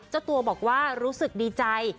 เจ้าตัวบอกว่ารู้สึกดีใจ